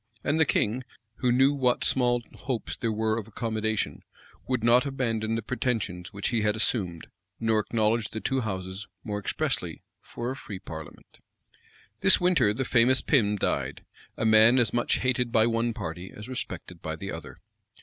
[*] And the king, who knew what small hopes there were of accommodation, would not abandon the pretensions which he had assumed; nor acknowledge the two houses, more expressly, for a free parliament. This winter the famous Pym died; a man as much hated by one party as respected by the other.